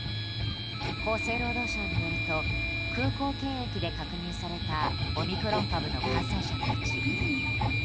厚生労働省によると空港検疫で確認されたオミクロン株の感染者のうちＢＡ